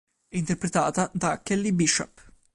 È interpretata da Kelly Bishop.